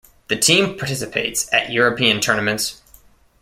The team participates at European tournaments.